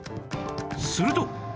すると